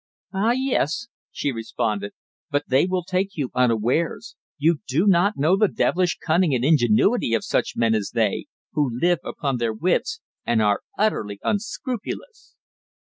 "Ah, yes," she responded. "But they will take you unawares. You do not know the devilish cunning and ingenuity of such men as they, who live upon their wits, and are utterly unscrupulous."